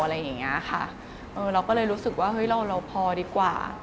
เราก็เลยรู้สึกว่าเราพอดีกว่า